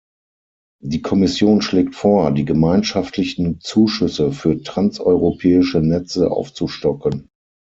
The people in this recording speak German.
Die Kommission schlägt vor, die gemeinschaftlichen Zuschüsse für transeuropäische Netze aufzustocken.